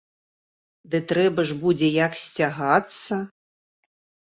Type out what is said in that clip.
Ды трэба ж будзе як сцягацца.